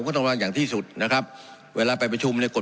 ก็ต้องระวังอย่างที่สุดนะครับเวลาไปประชุมในกฎ